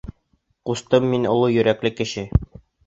Ҡустым, мин оло йөрәкле кеше!